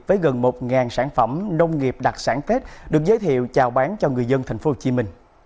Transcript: với gần một sản phẩm nông nghiệp đặc sản tết được giới thiệu chào bán cho người dân tp hcm